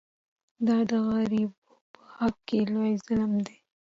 دا د غریبو په حق کې لوی ظلم دی.